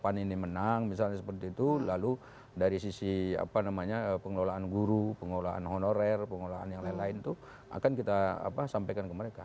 pan ini menang misalnya seperti itu lalu dari sisi pengelolaan guru pengelolaan honorer pengelolaan yang lain lain itu akan kita sampaikan ke mereka